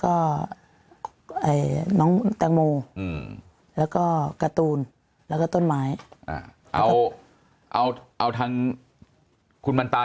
ก็น้องแตงโมแล้วก็การ์ตูนแล้วก็ต้นไม้เอาเอาทางคุณมันตา